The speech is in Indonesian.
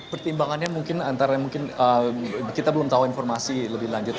pertimbangannya mungkin antara mungkin kita belum tahu informasi lebih lanjut